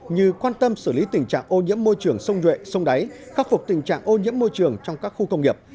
như quan tâm xử lý tình trạng ô nhiễm môi trường sông nhuệ sông đáy khắc phục tình trạng ô nhiễm môi trường trong các khu công nghiệp